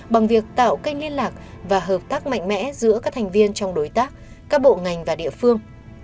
bằng việc tạo kênh liên lạc và hợp tác mạnh mẽ giữa các thành viên trong đối tác các bộ ngành và địa phương